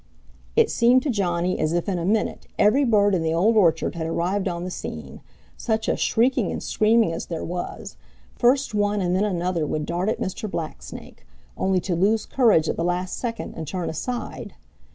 It seemed to Johnny as if in a minute every bird in the Old Orchard had arrived on the scene. Such a shrieking and screaming as there was! First one and then another would dart at Mr. Blacksnake, only to lose courage at the last second and turn aside.